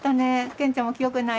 健ちゃんも記憶ない？